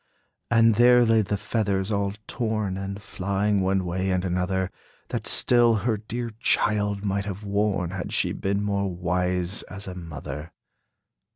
And there lay the feathers, all torn, And flying one way and another, That still her dear child might have worn, Had she been more wise as a mother.